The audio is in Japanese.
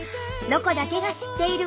「ロコだけが知っている」。